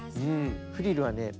フリルはね